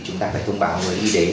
chúng ta phải thông báo với y tế